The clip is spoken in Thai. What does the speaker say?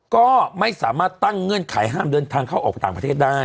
ก็ไม่สามารถตั้งเงื่อนไขห้ามเดินทางเข้าออกต่างประเทศได้